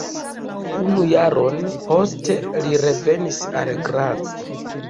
Unu jaron poste li revenis al Graz.